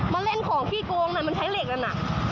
มันเล่นของพี่โกงน่ะมันใช้เหล็กน่ะ